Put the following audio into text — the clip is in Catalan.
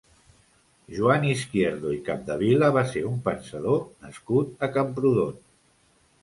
Joan Izquierdo i Capdevila va ser un pensador nascut a Camprodon.